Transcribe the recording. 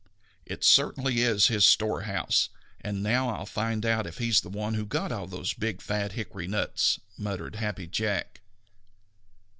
"It certainly is his storehouse, and now I'll find out if he is the one who got all those big, fat hickory nuts," muttered Happy Jack.